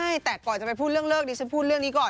ใช่แต่ก่อนจะไปพูดเรื่องเลิกดิฉันพูดเรื่องนี้ก่อน